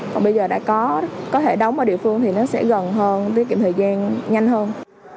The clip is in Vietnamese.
còn bây giờ đã có thể đóng ở địa phương thì nó sẽ gần hơn tiết kiệm thời gian nhanh hơn